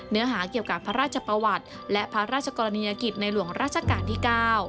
เนื้อหาเกี่ยวกับพระราชประวัติและพระราชกรณียกิจในหลวงราชการที่๙